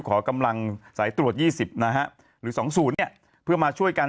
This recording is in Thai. ขอกำลังสายตรวจ๒๐นะฮะหรือ๒๐เนี่ยเพื่อมาช่วยกัน